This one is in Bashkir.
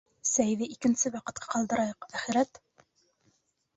Сәйҙе икенсе ваҡытҡа ҡалдырайыҡ, әхирәт...